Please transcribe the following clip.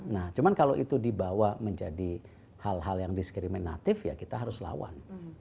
nah cuma kalau itu dibawa menjadi hal hal yang diskriminatif ya kita harus lawan